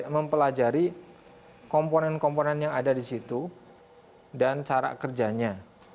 mempelajari komponen komponen yang ada di situ dan cara kerjanya